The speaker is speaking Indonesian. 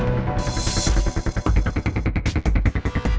niat gue ngomongin tentang masalah kita berdua